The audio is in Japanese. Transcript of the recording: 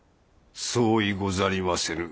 相違ござりませぬ。